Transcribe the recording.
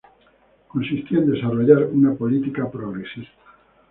Consistía en desarrollar una política progresista.